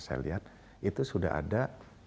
saya lihat itu sudah ada